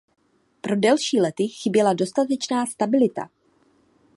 Pro delší lety chyběla dostatečná stabilita.